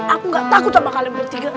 aku gak takut sama kalian bertiga